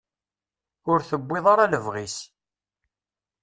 Ur tewwiḍ ara lebɣi-s.